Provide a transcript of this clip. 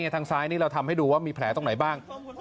ทางซ้ายนี้เราทำให้ดูว่ามีแผลตรงไหนบ้าง